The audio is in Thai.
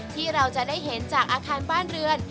ที่เราจะได้เห็นจากอาคารบ้านเรือน